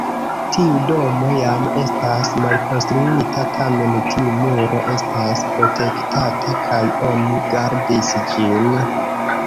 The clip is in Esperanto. Tiu domo jam estas malkonstruita, tamen tiu muro estas protektata kaj oni gardis ĝin.